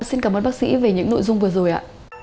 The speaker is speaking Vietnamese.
xin cảm ơn bác sĩ về những nội dung vừa rồi ạ